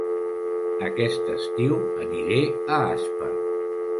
Aquest estiu aniré a Aspa